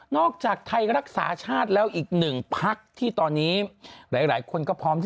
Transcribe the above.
นอกจากไทยรักษาชาติแล้วอีกหนึ่งพักที่ตอนนี้